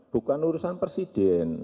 bukan urusan persis